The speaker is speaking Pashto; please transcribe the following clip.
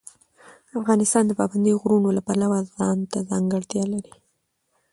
افغانستان د پابندی غرونه د پلوه ځانته ځانګړتیا لري.